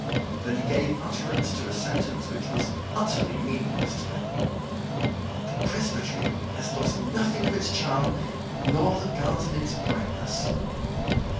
Then he gave utterance to a sentence which was utterly meaningless to me. "The presbytery has lost nothing of its charm, nor the garden its brightness."